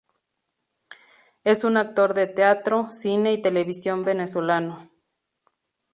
Es un actor de teatro, cine y televisión venezolano.